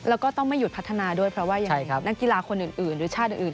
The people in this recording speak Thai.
แล้วก็ต้องไม่หยุดพัฒนาด้วยเพราะว่ายังไงนักกีฬาคนอื่นหรือชาติอื่น